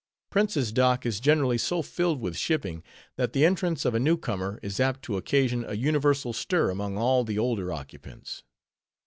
Prince's Dock is generally so filled with shipping, that the entrance of a new comer is apt to occasion a universal stir among all the older occupants.